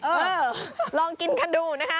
เออลองกินกันดูนะฮะ